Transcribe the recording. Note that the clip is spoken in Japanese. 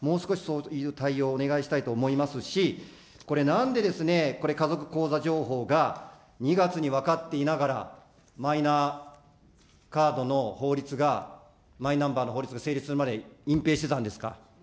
もう少しそういう対応をお願いしたいと思いますし、これなんでですね、家族口座情報が、２月に分かっていながら、マイナカードの法律がマイナンバーの法律が成立するまで隠蔽してたんですか。